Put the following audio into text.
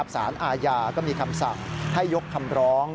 สารอาญาก็มีคำสั่งให้ยกคำร้อง